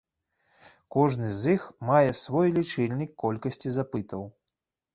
Кожны з іх мае свой лічыльнік колькасці запытаў.